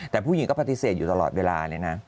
แต่ผู้หญิงก็ปฏิเสธอยู่ตลอดเวลาเลยนะ